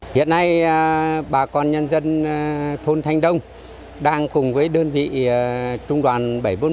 hiện nay bà con nhân dân thôn thanh đông đang cùng với đơn vị trung đoàn bảy trăm bốn mươi một